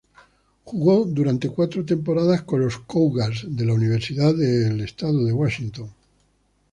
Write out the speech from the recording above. Jugó durante cuatro temporadas con los "Cougars" de la Universidad de Washington State.